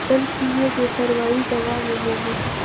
بلکې که بې پروایي دوام ومومي.